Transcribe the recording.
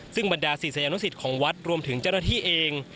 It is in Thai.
ซึ่งบรรดาศิษยานุสิตของวัดรวมถึงเจ้าหน้าที่เอง